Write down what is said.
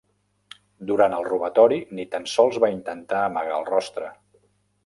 Durant el robatori, ni tan sols va intentar amagar el rostre.